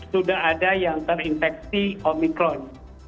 sudah ada yang terinfeksi omikron